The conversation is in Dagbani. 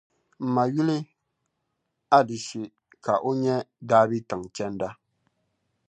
M ma yuli Adishe ka o nya dabi' tiŋ chanda.